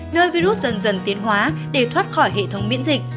nơi virus dần dần tiến hóa để thoát khỏi hệ thống miễn dịch